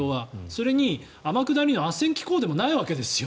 それに天下りのあっせん機構でもないわけですよ。